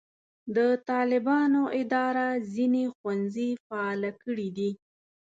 د طالبانو اداره ځینې ښوونځي فعاله کړي دي.